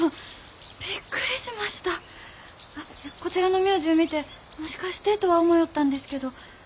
こちらの名字ゅう見てもしかしてとは思よったんですけど。